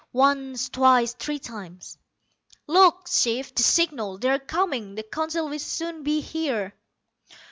Once, twice, three times. "Look, Chief, the signal. They're coming. The Council will soon be here."